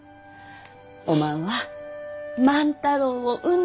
おまんは万太郎を産んでくれた。